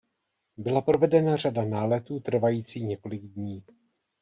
Byla provedena řada náletů trvající několik dní.